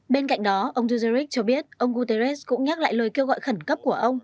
bên cạnh đó ông zuzerich cho biết ông guterres cũng nhắc lại lời kêu gọi khẩn cấp của ông